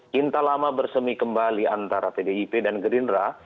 cinta lama bersemi kembali antara pdip dan gerindra